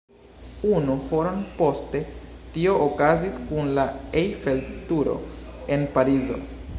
Unu horon poste tio okazis kun la Eiffel-Turo en Parizo.